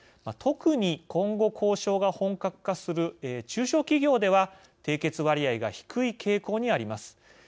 特に、今後交渉が本格化する中小企業では締結割合が低い傾向にあります。